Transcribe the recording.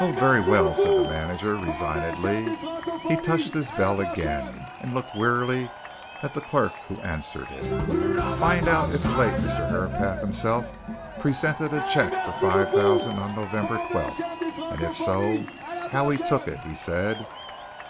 "Oh, very well!" said the manager resignedly. He touched his bell again, and looked wearily at the clerk who answered it. "Find out if the late Mr. Herapath himself presented a cheque for five thousand on November 12th, and if so, how he took it," he said.